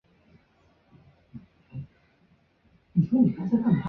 这个城市还有一个交响乐团和合唱团。